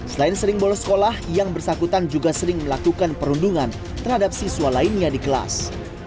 selain sering bolos sekolah yang bersangkutan juga sering melakukan perundungan terhadap siswa lainnya di kelas